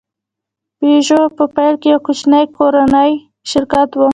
پيژو په پیل کې یو کوچنی کورنی شرکت و.